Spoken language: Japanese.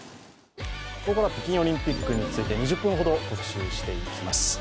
ここからは北京オリンピックについて、２０分ほど特集していきます。